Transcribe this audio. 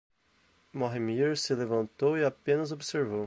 Mojmir se levantou e apenas observou.